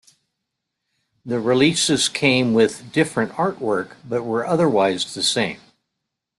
The releases came with different artwork, but were otherwise the same.